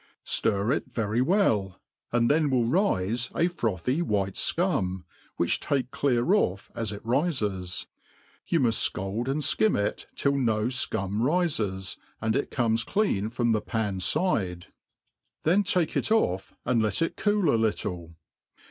Stir it very well, ^nd then will rife a frothy white fcum, which take clear off ^s it rifes; you muft fcald and fkim it till no fcum rifesj. and it co(ne& clean from the.* pan fide ; then take it off, and let it cool a little.